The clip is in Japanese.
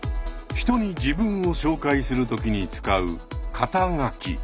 人に自分を紹介する時に使う肩書。